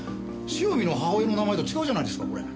汐見の母親の名前とは違うじゃないですかこれ。